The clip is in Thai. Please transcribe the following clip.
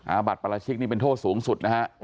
อาบัติปราชิกนี่เป็นโทษสูงสุดนะฮะ